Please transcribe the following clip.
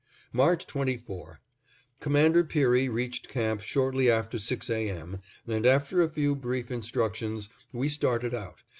March 24: Commander Peary reached camp shortly after six A. M., and after a few brief instructions, we started out.